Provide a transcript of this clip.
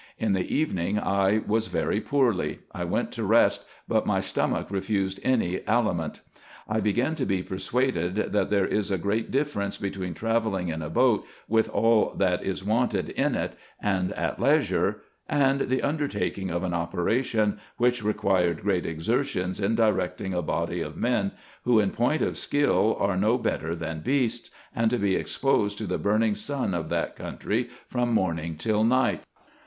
In the evening I was very poorly : I went to rest, but my stomach refused any aliment. I began to be persuaded, that there is a great difference between travelling in a boat, with all that is wanted in it, and at leisure, and the undertaking of an operation, which required great exertions in directing a body of men, who in point of skill are no better than beasts, and to be exposed to the burning sun of that country from morning till night.